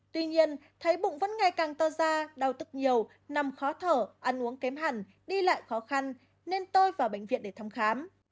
tuy nhiên thấy bụng vẫn ngày càng to da đau tức nhiều nằm khó thở ăn uống kém hẳn đi lại khó khăn nên tôi vào bệnh viện để thăm khám